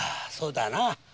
そうだな。